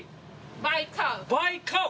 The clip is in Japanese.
バイカウ。